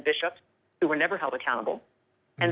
และความสาธิตตัวต้องรับภาค